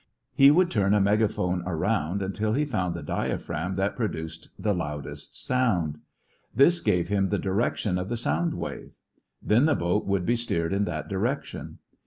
He would turn a megaphone around until he found the diaphragm that produced the loudest sound. This gave him the direction of the sound wave. Then the boat would be steered in that direction.